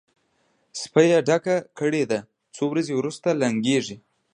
سپۍ یې ډکه کړې ده؛ څو ورځې روسته لنګېږي.